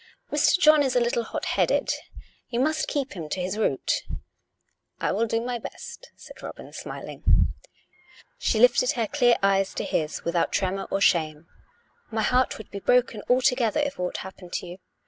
COME ROPE! 371 Mr. John is a little hot headed. You must keep him to his route ?"" I will do my best," said Robin, smiling. She lifted her clear eyes to his without tremor or shame. " My heart would be broken altogether if aught happened to you.